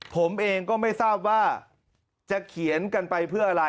ผมเองก็ไม่ทราบว่าจะเขียนกันไปเพื่ออะไร